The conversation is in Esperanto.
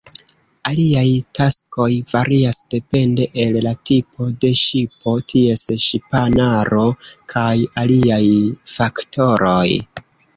Aliaj taskoj varias depende el la tipo de ŝipo, ties ŝipanaro, kaj aliaj faktoroj.